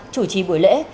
chủ trì buổi lễ